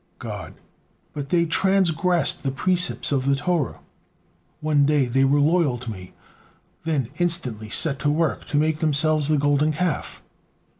God: "But they transgressed the precepts of the Torah; one day were they loyal to Me, then instantly set to work to make themselves the Golden Calf."